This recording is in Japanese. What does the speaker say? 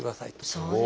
そうですか。